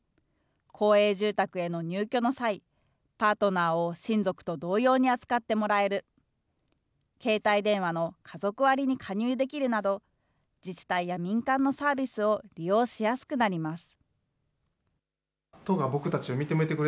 公営住宅への入居の際、パートナーを親族と同様に扱ってもらえる、携帯電話の家族割に加入できるなど、自治体や民間のサービスを利用しやすくなります。